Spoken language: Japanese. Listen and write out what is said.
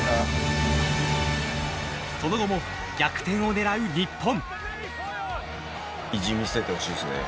その後も逆転をねらう日本。